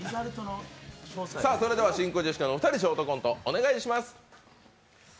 それでは真空ジェシカのお二人、ショートコントをお願いします。